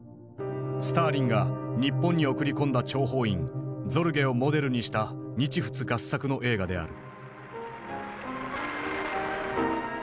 スターリンが日本に送り込んだ諜報員ゾルゲをモデルにした日仏合作の映画である。